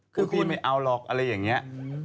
พูดไม่เอาหรอกอะไรอย่างเนี้ย